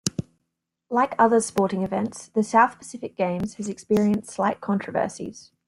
Like other sporting events, the South Pacific Games has experienced slight controversies.